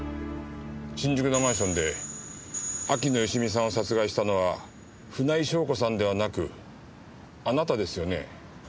新宿のマンションで秋野芳美さんを殺害したのは船井翔子さんではなくあなたですよね？